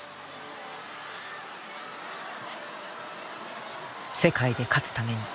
世界で勝つために。